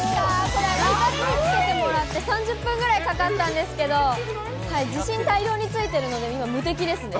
これ２人につけてもらって、３０分ぐらいかかったんですけど、自信大量についてるので、今、無敵ですね。